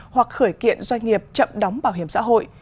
hoặc khởi kiện doanh nghiệp chậm đóng bảo hiểm xã hội